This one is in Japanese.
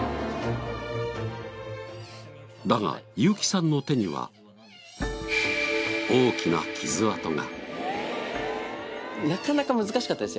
だがユーキさんの手には大きな傷痕が。